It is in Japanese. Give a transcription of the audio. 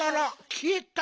きえた？